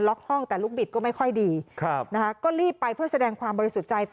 ห้องแต่ลูกบิดก็ไม่ค่อยดีครับนะคะก็รีบไปเพื่อแสดงความบริสุทธิ์ใจต่อ